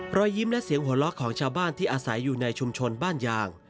รอยยิ้มและเสียงหัวเราะของชาวบ้านที่อาศัยอยู่ในชุมชนบ้านยาง